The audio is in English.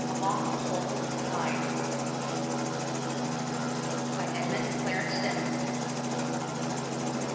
along the whole line. EDMUND CLARENCE STEDMAN.